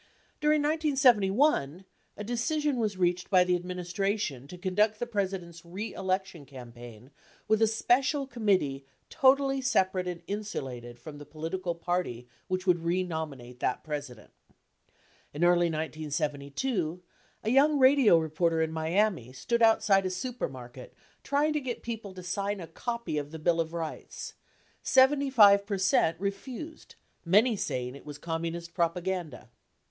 During 1971, a decision was reached by the administration to conduct the President's reelection campaign with a special com mittee totally separate and insulated from the political party which would renominate that President. In early 1972, a young radio reporter in Miami stood outside a supermarket trying to get people to sign a copy of the bill of Rights. Seventy five percent refused, many saying it was Com munist propaganda.